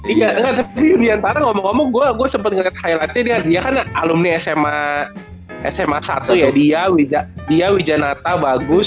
iya tapi yudhiantara ngomong ngomong gue sempet ngeliat highlightnya dia kan alumni sma satu ya dia wijanata bagus